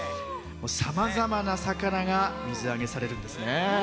さまざまな魚が水揚げされるんですね。